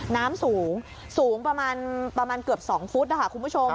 น้ำสูงสูงประมาณเกือบ๒ฟุตนะคะคุณผู้ชม